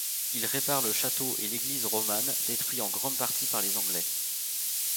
Il répare le château et l’église romane, détruits en grande partie par les Anglais.